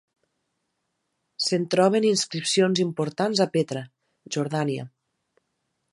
Se'n troben inscripcions importants a Petra, Jordània.